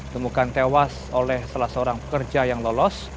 temukan tewas oleh salah seorang pekerja yang lolos